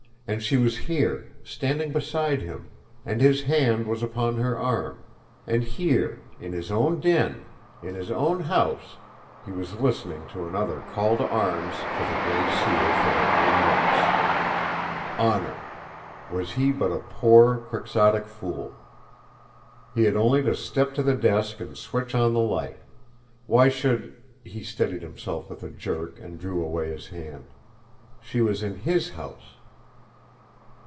And she was here, standing beside him, and his hand was upon her arm; and here, in his own den, in his own house, he was listening to another call to arms for the Gray Seal from her own lips! Honour! Was he but a poor, quixotic fool! He had only to step to the desk and switch on the light! Why should he steadied himself with a jerk, and drew away his hand. She was in HIS house.